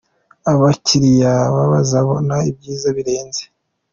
Abakiliya ba bazabona ibyiza birenze.